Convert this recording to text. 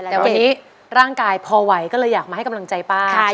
แต่วันนี้ร่างกายพอไหวก็เลยอยากมาให้กำลังใจป้า